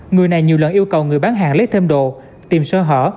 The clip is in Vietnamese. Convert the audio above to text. người này nhiều lần yêu cầu người bán hàng lấy thêm đồ tìm sơ hở